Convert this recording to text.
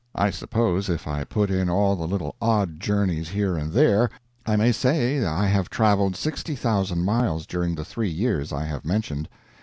I suppose if I put in all the little odd journeys here and there, I may say I have traveled sixty thousand miles during the three years I have mentioned.